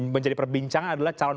menjadi perbincangan adalah calon